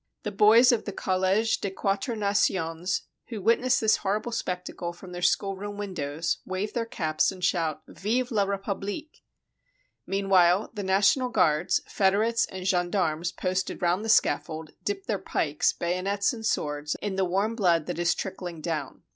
The boys of the College des Quatre Nations, who witness this horrible spectacle from their schoolroom windows, wave their caps and shout, '* Vive la Republiquel" Meanwhile the National Guards, federates, and gen darmes posted round the scaffold dip their pikes, bay onets, and swords in the warm blood that is trickling down.